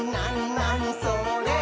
なにそれ？」